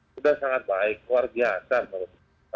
sudah sangat baik luar biasa menurut saya